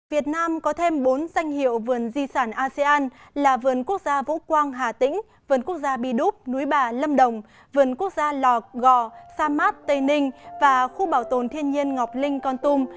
việt nam có thêm bốn danh hiệu vườn di sản asean là vườn quốc gia vũ quang hà tĩnh vườn quốc gia bi đúc núi bà lâm đồng vườn quốc gia lò gò sa mát tây ninh và khu bảo tồn thiên nhiên ngọc linh con tum